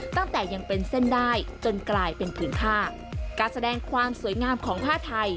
ตั้งแต่ยังเป็นเส้นได้จนกลายเป็นผืนผ้าการแสดงความสวยงามของผ้าไทย